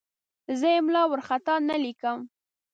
زه املا وارخطا نه لیکم.